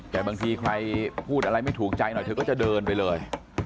แต่บางทีใครพูดอะไรไม่ถูกใจหน่อยเธอก็จะเดินไปเลย